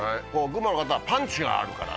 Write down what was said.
群馬の方は「パンチがあるから」